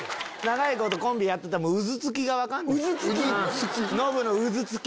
長いことコンビやってたらうずつきが分かんねん。